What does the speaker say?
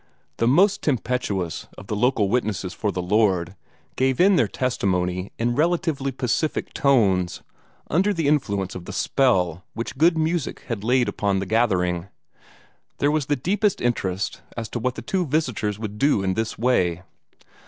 The most tempestuous of the local witnesses for the Lord gave in their testimony in relatively pacific tones, under the influence of the spell which good music had laid upon the gathering. There was the deepest interest as to what the two visitors would do in this way.